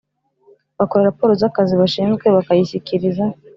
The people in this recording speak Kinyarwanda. Bakora raporo z akazi bashinzwe bakayishyikiriza